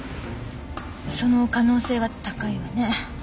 その可能性は高いわね。